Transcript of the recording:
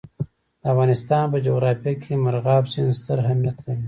د افغانستان په جغرافیه کې مورغاب سیند ستر اهمیت لري.